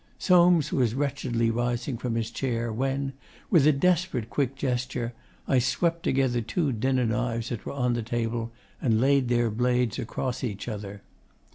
Soames was wretchedly rising from his chair when, with a desperate quick gesture, I swept together two dinner knives that were on the table, and laid their blades across each other.